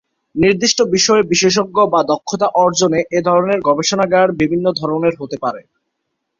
নির্দিষ্ট বিষয়ে বিশেষজ্ঞ বা দক্ষতা অর্জনে এ ধরনের গবেষণাগার বিভিন্ন ধরনের হতে পারে।